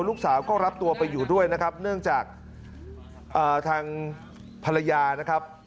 ลูกสาวก็รับตัวไปอยู่ด้วยนะครับเนื่องจากทางภรรยานะครับ